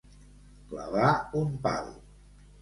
Clavar un pal.